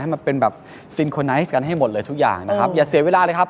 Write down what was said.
ให้มันเป็นแบบให้หมดเลยทุกอย่างนะครับอย่าเสียเวลาเลยครับ